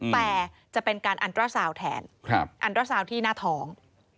แต่จะเป็นการอันตรสาวแทนอันตรสาวที่หน้าทอง